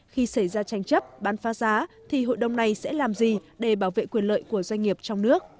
khi xảy ra tranh chấp bán phá giá thì hội đồng này sẽ làm gì để bảo vệ quyền lợi của doanh nghiệp trong nước